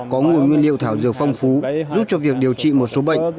có nguồn nguyên liệu thảo dược phong phú giúp cho việc điều trị một số bệnh